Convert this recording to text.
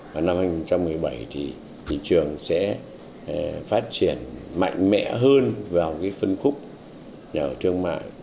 và năm hai nghìn một mươi bảy thì thị trường sẽ phát triển mạnh mẽ hơn vào cái phân khúc nhà ở thương mại